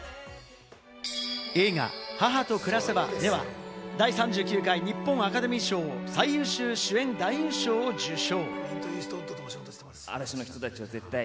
映画『母と暮せば』では、第３９回日本アカデミー賞最優秀主演男優賞を受賞。